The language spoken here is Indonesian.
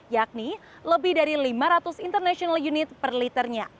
yakni lebih dari lima ratus international unit per liternya